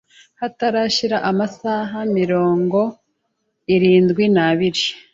hatarashira amasaha mirongo irindwi nabiri